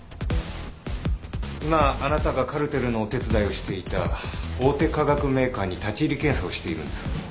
今あなたがカルテルのお手伝いをしていた大手化学メーカーに立入検査をしているんです。